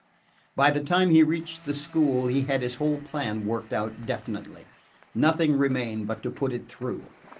By the time he reached the school he had his whole plan worked out definitely. Nothing remained but to put it through.